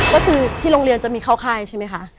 วัดตือที่โรงเรียนจมีข้าวค่ายใช่มั๊ยค่ะ